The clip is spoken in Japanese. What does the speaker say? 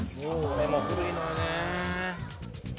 これも古いのよね